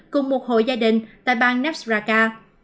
cùng một hội gia đình tại bang nafsraqa